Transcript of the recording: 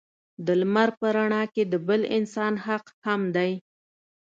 د لمر په رڼا کې د بل انسان حق هم دی.